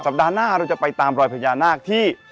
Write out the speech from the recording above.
ปัดหน้าเราจะไปตามรอยพญานาคที่